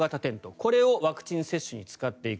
これをワクチン接種に使っていく。